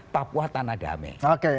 papua tanah damai